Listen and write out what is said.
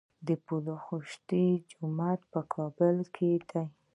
د پل خشتي جومات په کابل کې دی